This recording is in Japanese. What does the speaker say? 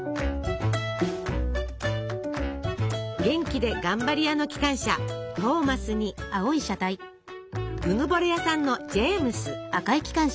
元気で頑張り屋の機関車「トーマス」にうぬぼれ屋さんの「ジェームス」。